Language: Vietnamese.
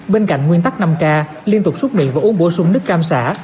bên cạnh nguyên tắc năm k liên tục xuất miệng và uống bổ sung nước cam xả